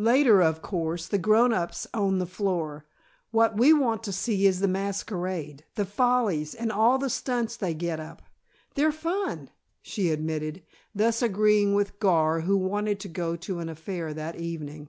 Later, of course, the grown ups own the floor. What we want to see is the masquerade, the follies, and all the stunts they get up. They're fun!" she admitted, thus agreeing with Gar, who wanted to go to an affair that evening.